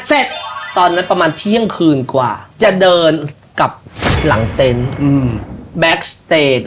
เสร็จตอนนั้นประมาณเที่ยงคืนกว่าจะเดินกลับหลังเต็นต์แบ็คสเตจ